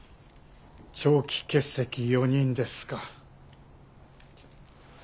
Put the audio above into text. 長期欠席４人ですか。